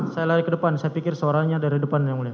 saya lari ke depan saya pikir suaranya dari depan yang mulia